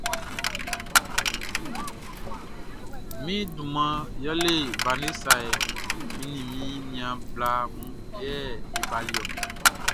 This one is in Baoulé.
Mi duman yɛlɛ Vanessa hɛ, mi ni mi niaan bla mun yɛ e baliɔ.